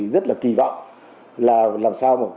rất kỳ vọng là làm sao